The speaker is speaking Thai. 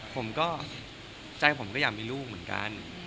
ผมก็ใจผมก็อยากมีลูกเหมือนกัน